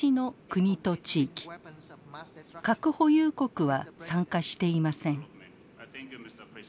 核保有国は参加していません。